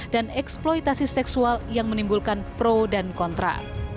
dan eksploitasi seksual yang menimbulkan pro dan kontra